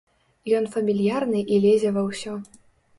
Ён фамільярны і лезе ва ўсё.